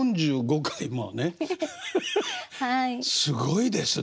すごいですね。